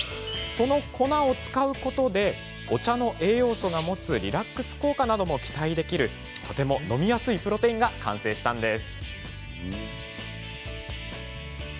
その粉を使うことでお茶の栄養素が持つリラックス効果なども期待できるとても飲みやすいプロテインが完成したんです。